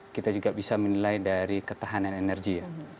kita juga bisa menilai dari ketahanan energi ya